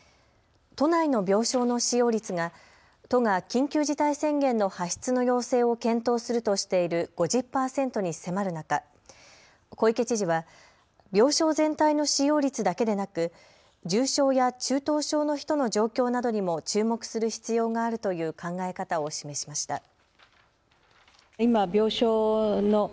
都内の病床の使用率が都が緊急事態宣言の発出の要請を検討するとしている５０％に迫る中、小池知事は病床全体の使用率だけでなく重症や中等症の人の状況などにも注目する必要があるという考え方を示しました。